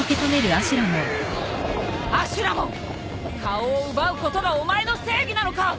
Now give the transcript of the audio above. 顔を奪うことがお前の正義なのか！？